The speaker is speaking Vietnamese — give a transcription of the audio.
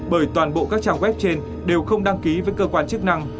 bởi toàn bộ các trang web trên đều không đăng ký với cơ quan chức năng